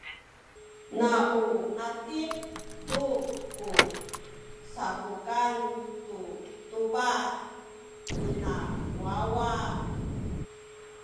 na u atip tu ku sapukan tu tubah nina wawa.